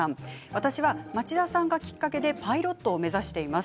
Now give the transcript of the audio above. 私は町田さんがきっかけでパイロットを目指しています。